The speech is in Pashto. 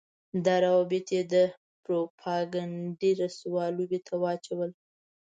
دا روابط يې د پروپاګنډۍ رسوا لوبې ته واچول.